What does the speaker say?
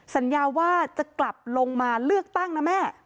สัญญาว่าจะกลับลงมาเลือกตั้งนะแม่